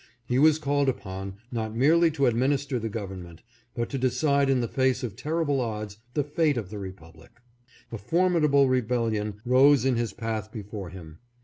He was called upon not merely to administer the government, but to decide in the face of terrible odds the fate of the republic. A formidable rebellion rose in his path before him.